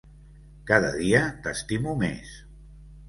Cada dia t’estimo més.